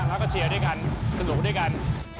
แล้วก็เชียร์ด้วยกันสนุกด้วยกัน